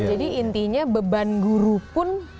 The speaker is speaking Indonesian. jadi intinya beban guru pun